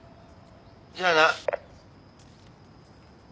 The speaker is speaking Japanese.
じゃあな。